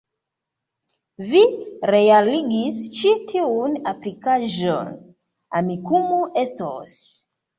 Vi realigis ĉi tiun aplikaĵon. Amikumu estos